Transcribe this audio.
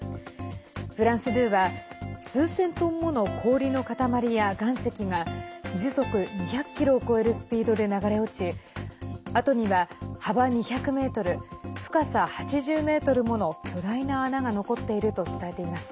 フランス２は数千トンもの氷の塊や岩石が時速２００キロを超えるスピードで流れ落ち跡には幅２００ｍ深さ８０ｍもの巨大な穴が残っていると伝えています。